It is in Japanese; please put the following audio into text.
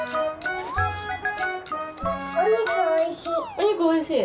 おにくおいしい。